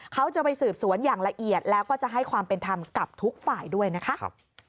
เขาจะไปสืบสวนอย่างละเอียดแล้วก็จะให้ความเป็นธรรมกับทุกฝ่ายด้วยนะคะ